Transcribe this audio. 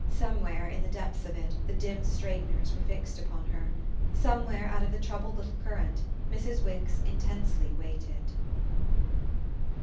Somewhere in the depths of it the dim straighteners were fixed upon her; somewhere out of the troubled little current Mrs. Wix intensely waited.